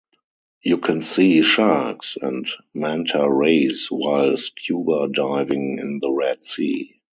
You can see sharks and manta rays while scuba diving in the Red Sea.